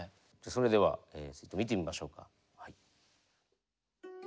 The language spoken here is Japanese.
それではちょっと見てみましょうか。